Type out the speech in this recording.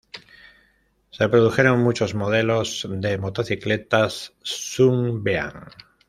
Se produjeron muchos modelos de motocicletas Sunbeam.